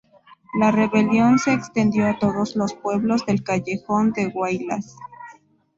La rebelión se extendió a todos los pueblos del Callejón de Huaylas.